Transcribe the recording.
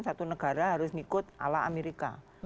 satu negara harus ikut ala amerika